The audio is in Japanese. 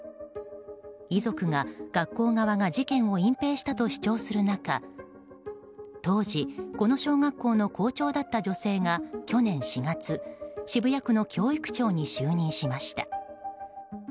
遺族が、学校側が事件を隠ぺいしたと主張する中当時、この小学校の校長だった女性が去年４月、渋谷区の教育長に就任しました。